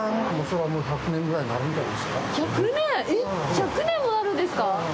１００年もなるんですか？